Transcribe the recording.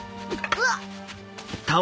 うわっ！